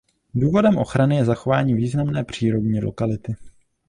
Důvodem ochrany je zachování významné přírodní lokality.